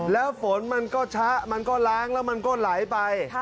แล้วฝนมันก็ชะมันก็ล้างแล้วมันก็ไหลไป